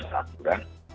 atau yang berangkat kurang